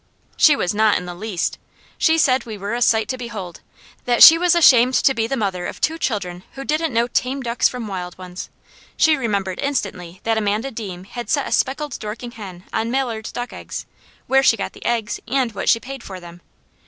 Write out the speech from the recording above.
She was not in the least. She said we were a sight to behold; that she was ashamed to be the mother of two children who didn't know tame ducks from wild ones. She remembered instantly that Amanda Deam had set a speckled Dorking hen on Mallard duck eggs, where she got the eggs, and what she paid for them.